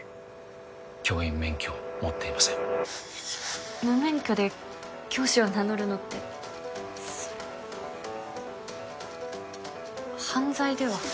教員免許を持っていません無免許で教師を名乗るのってそれ犯罪では？